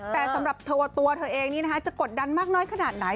แต่สำหรับเธอตัวเธอเองจะกดดันมากน้อยขนาดไหน